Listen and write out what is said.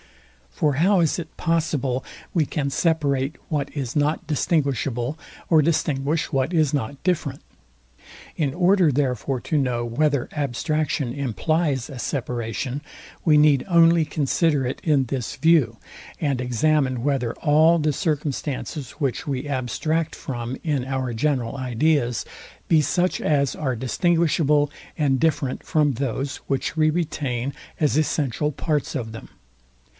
For how is it possible we can separate what is not distinguishable, or distinguish what is not different? In order therefore to know, whether abstraction implies a separation, we need only consider it in this view, and examine, whether all the circumstances, which we abstract from in our general ideas, be such as are distinguishable and different from those, which we retain as essential parts of them.